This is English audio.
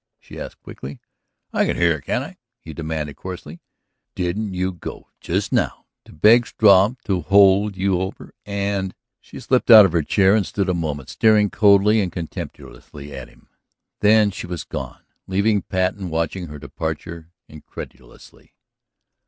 she asked quickly. "I can hear, can't I?" he demanded coarsely. "Didn't you go just now to beg Struve to hold you over? And ..." She slipped out of her chair and stood a moment staring coldly and contemptuously at him. Then she was gone, leaving Patten watching her departure incredulously.